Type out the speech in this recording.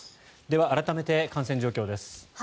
では、改めて感染状況です。